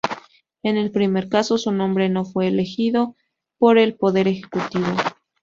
En el primer caso, su nombre no fue elegido por el Poder Ejecutivo.